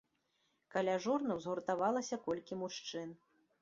Каля жорнаў згуртавалася колькі мужчын.